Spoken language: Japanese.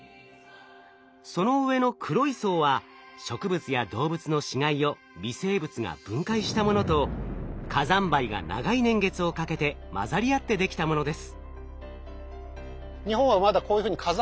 その上の黒い層は植物や動物の死骸を微生物が分解したものと火山灰が長い年月をかけて混ざり合ってできたものです。